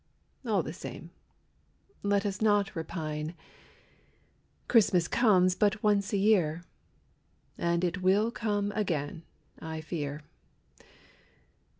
All the same, Let us not repine: Christmas comes but once a year, And it will come again, I fear.